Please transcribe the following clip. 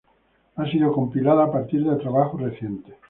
Ha sido compilada a partir de trabajos recientes.